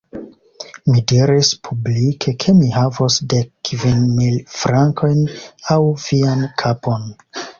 Mi diris publike, ke mi havos dek kvin mil frankojn aŭ vian kapon.